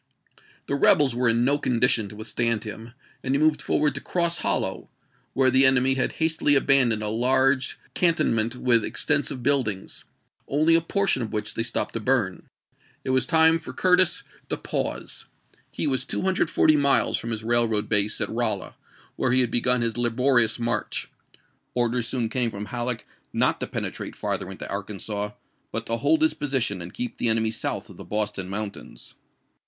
The rebels were in no condition to withstand him, and he moved forward to Cross Hollow, where the enemy had hastily abandoned a large canton ment with extensive buildings, only a portion of which they stopped to burn. It was time for Curtis Vol. v.— 19 2^)0 ABEAHAM LINCOLN cu. xvri. to pause. He was 240 miles from his railroad base at RoUa, where he had begun his laborious march. Orders soon came from Halleck uot to penetrate farther into Arkansas, but to hold his position and keep the enemy south of the Boston Mountains.